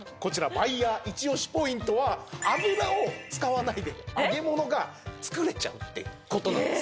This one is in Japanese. バイヤー一押しポイントは油を使わないで揚げ物が作れちゃうことなんです。